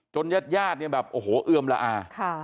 ญาติญาติเนี่ยแบบโอ้โหเอือมละอา